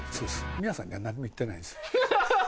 宮さんにはなんにも言ってないんですよ。